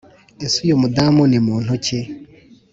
ese uyu mudamu ni umuntu iki?